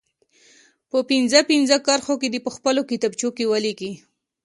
په پنځه پنځه کرښو کې دې په خپلو کتابچو کې ولیکي.